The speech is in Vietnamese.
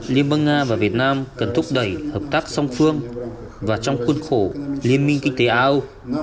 liên bang nga và việt nam cần thúc đẩy hợp tác song phương và trong khuôn khổ liên minh kinh tế á âu